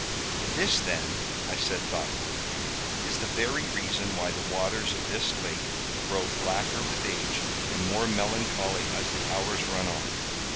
"This then," I said thoughtfully, "is the very reason why the waters of this lake grow blacker with age, and more melancholy as the hours run on."